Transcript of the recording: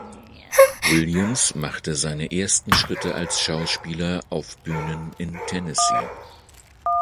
Williams machte seine ersten Schritte als Schauspieler auf Bühnen in Tennessee.